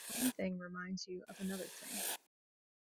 One thing reminds you of another thing.